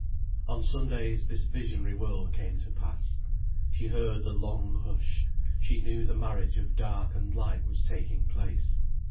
On Sundays, this visionary world came to pass. She heard the long hush, she knew the marriage of dark and light was taking place.